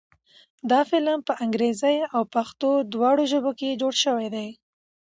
دا فلم په انګريزۍ او پښتو دواړو ژبو کښې جوړ شوے دے